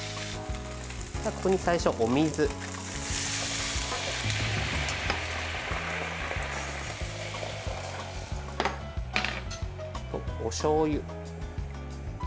ここに最初、お水。おしょうゆ。